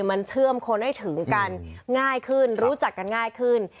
มันเชื่อมคนให้ถึงกันง่ายขึ้นรู้จักกันง่ายขึ้น